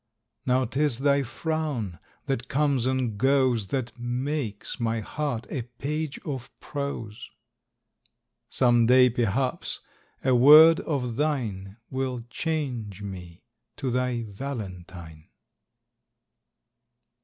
Now 't is thy Frown, that comes and goes, That makes my heart a page of prose. Some day, perhaps, a word of thine Will change me to thy VALENTINE.